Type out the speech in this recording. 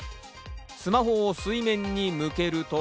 スマホを水面に向けると。